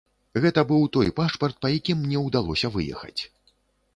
Гэта быў той пашпарт, па якім мне ўдалося выехаць.